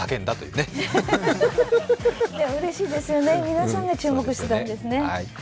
うれしいですよね、皆さんが注目していたんですよね。